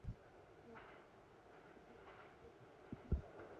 حیواناتو خړ پوستکي او اوږدې غاړې درلودې.